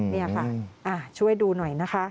นี่ค่ะช่วยดูหน่อยนะคะ